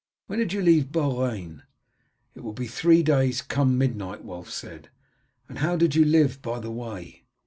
"When did you leave Beaurain?" "It will be three days come midnight," Wulf said. "And how did you live by the way?"